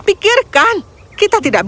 tidak tidak tidak